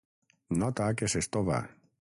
Nota que s'estova.